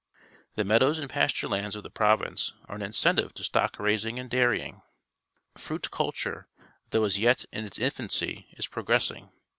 The meadows and pasture lands of the prov ince are an incentive to s tock raising and dairying. Fruit culture, though as yet in its infancy, is progressing.